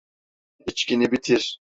İçkini bitir.